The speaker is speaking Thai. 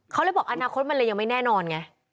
เขาเลยบอกอนาคตมันเลยยังไม่แน่นอนไง